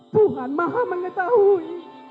tuhan maha mengetahui